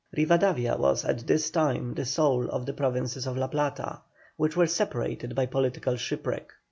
Rivadavia was at this time the soul of the Provinces of La Plata, which were separated by political shipwreck.